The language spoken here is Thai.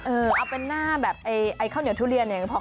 เอาเป็นหน้าแบบไอ้ข้าวเหนียวทุเรียนเนี่ย